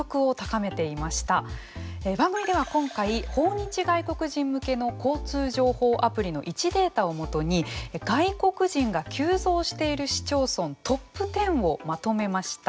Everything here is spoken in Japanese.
番組では今回訪日外国人向けの交通情報アプリの位置データを基に外国人が急増している市町村トップ１０をまとめました。